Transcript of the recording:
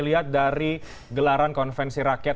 lihat dari gelaran konvensi rakyat